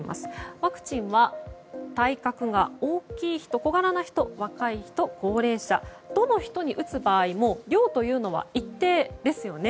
ワクチンは体格が大きい人、小柄な人若い人、高齢者どの人に打つ場合も量は一定ですよね。